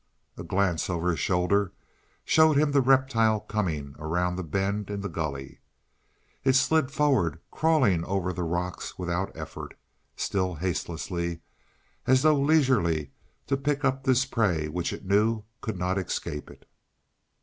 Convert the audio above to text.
A glance over his shoulder showed him the reptile coming around the bend in the gully. It slid forward, crawling over the rocks without effort, still hastelessly, as though leisurely to pick up this prey which it knew could not escape it.